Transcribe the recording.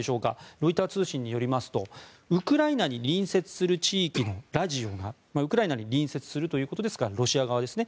ロイター通信によりますとウクライナに隣接する地域のラジオがウクライナに隣接するということですからロシア側ですね。